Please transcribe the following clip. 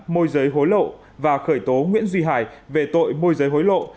môi giới hối lộ và khởi tố nguyễn duy hải về tội môi giới hối lộ